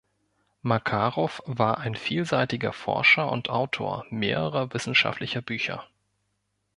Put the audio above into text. Makarow war ein vielseitiger Forscher und Autor mehrerer wissenschaftlicher Bücher.